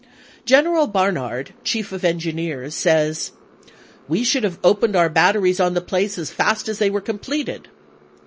General Barnard, Chief of Engineers, says :" We should have opened v2i.xi.. our batteries on the place as fast as they were com ^^^30." pleted."